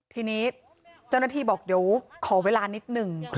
ทีนี้เจ้าหน้าที่บอกเดี๋ยวขอเวลานิดหนึ่ง